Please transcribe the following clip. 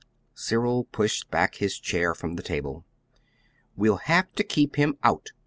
Cyril pushed back his chair from the table. "'We'll have to keep him out'!